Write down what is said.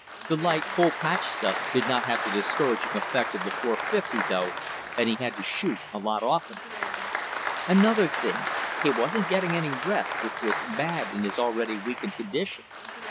The light full patch stuff did not have the discouraging effect of the .450, though, and he had to shoot a lot oftener. Another thing, he wasn't getting any rest, which was bad in his already weakened condition.